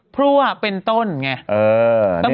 พูดว่าเป็นต้นไง